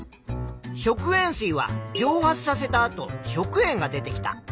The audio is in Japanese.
食塩水は蒸発させたあと食塩が出てきた。